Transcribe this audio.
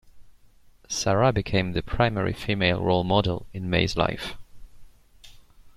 Sarah became the primary female role model in Mays' life.